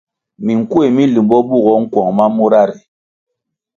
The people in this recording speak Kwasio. Minkuéh mi limbo bugoh nkuong ma mura ri.